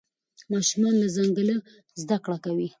ماشومان له ځنګله زده کړه کوي.